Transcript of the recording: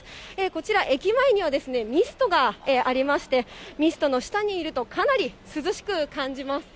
こちら駅前には、ミストがありまして、ミストの下にいると、かなり涼しく感じます。